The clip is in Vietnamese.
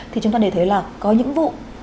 thì chúng ta thấy là có những vụ